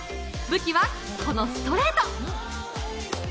武器はこのストレート。